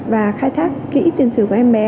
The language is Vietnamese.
và khai thác kỹ tiền sử của em bé